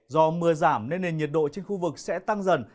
do mưa giảm nên nền nhiệt độ trên khu vực sẽ tăng dần